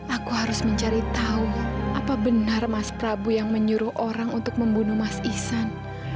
aku harus mencari tahu apa benar mas prabu yang menyuruh orang untuk membunuh mas isan